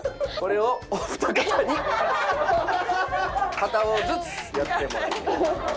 片方ずつやってもらう。